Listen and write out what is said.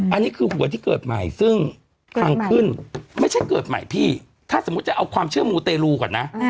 อันนี้คือหัวที่เกิดใหม่ซึ่งทางขึ้นไม่ใช่เกิดใหม่พี่ถ้าสมมุติจะเอาความเชื่อมูเตรลูก่อนนะ